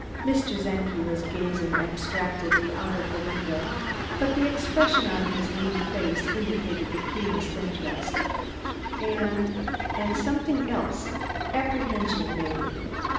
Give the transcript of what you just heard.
Mr. Czenki was gazing abstractedly out of a window, but the expression on his lean face indicated the keenest interest, and and something else; apprehension, maybe.